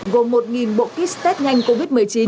gồm một bộ kit test nhanh covid một mươi chín